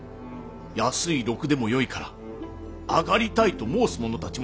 安い禄でもよいから上がりたいと申す者たちも多くおりますし。